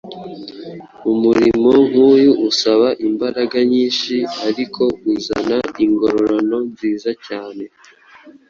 Umurimo nk’uyu usaba imbaraga nyinshi ariko uzana ingororano nziza cyane.